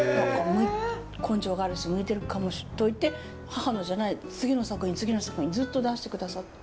「根性があるし向いてるかも」と言って母のじゃない次の作品次の作品ずっと出して下さって。